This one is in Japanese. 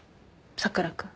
佐倉君。